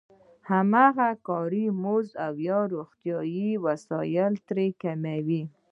هغه کاري مزد او روغتیايي وسایل ترې کموي